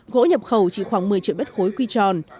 gỗ nhập khẩu chỉ khoảng một mươi triệu m ba quy tròn